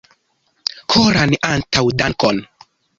Koran antaŭdankon!